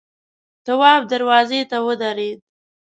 تواب دروازې ته ودرېد.